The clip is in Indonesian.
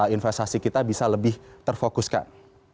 investasi kita bisa lebih terfokuskan